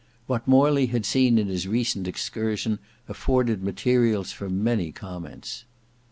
What Morley had seen in his recent excursion afforded materials for many comments.